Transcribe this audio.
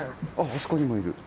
そこにもいる。